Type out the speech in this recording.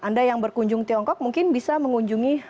anda yang berkunjung tiongkok mungkin bisa mengunjungi